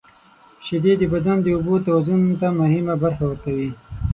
• شیدې د بدن د اوبو توازن ته مهمه برخه ورکوي.